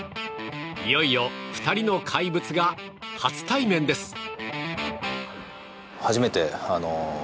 いよいよ、２人の怪物が初対面です。